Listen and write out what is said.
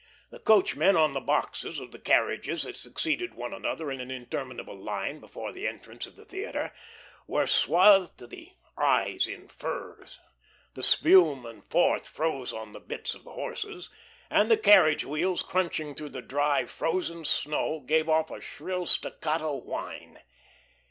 The coachmen on the boxes of the carriages that succeeded one another in an interminable line before the entrance of the theatre, were swathed to the eyes in furs. The spume and froth froze on the bits of the horses, and the carriage wheels crunching through the dry, frozen snow gave off a shrill staccato whine.